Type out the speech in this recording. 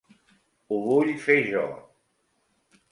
Ho vull fer jo.